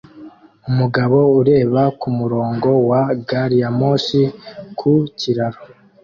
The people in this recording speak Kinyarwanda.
Umugabo ureba umurongo wa gari ya moshi ku kiraro